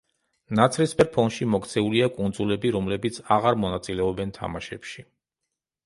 ნაცრისფერ ფონში მოქცეულია კუნძულები რომლებიც აღარ მონაწილეობენ თამაშებში.